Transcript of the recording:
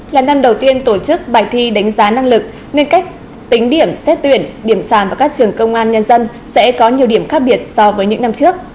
là năm đầu tiên tổ chức bài thi đánh giá năng lực nên cách tính điểm xét tuyển điểm sàn vào các trường công an nhân dân sẽ có nhiều điểm khác biệt so với những năm trước